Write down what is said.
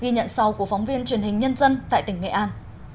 ghi nhận sau của phóng viên truyền hình nhân dân tại tỉnh nghệ an